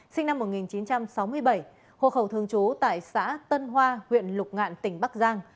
sinh năm một nghìn chín trăm sáu mươi bảy hộ khẩu thường trú tại xã tân hoa huyện lục ngạn tỉnh bắc giang